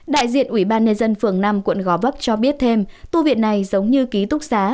đại diện ubnd phường năm quận gò vấp cho biết thêm tu viện này giống như ký túc xá